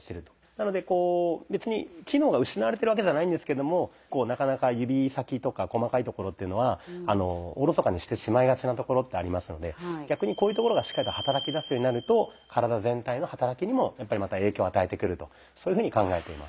なので別に機能が失われてるわけじゃないんですけどもなかなか指先とか細かいところっていうのはおろそかにしてしまいがちなところってありますので逆にこういうところがしっかりと働きだすようになると体全体の働きにも影響を与えてくるとそういうふうに考えています。